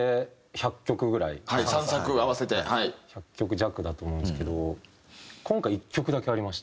１００曲弱だと思うんですけど今回１曲だけありました。